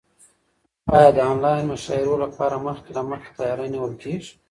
ایا د انلاین مشاعرو لپاره مخکې له مخکې تیاری نیول کیږي؟